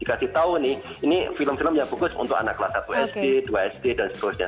dikasih tahu nih ini film film yang bagus untuk anak kelas satu sd dua sd dan seterusnya